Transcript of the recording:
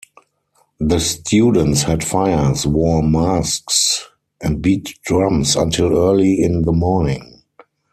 The students had fires, wore masks, and beat drums until early in the morning.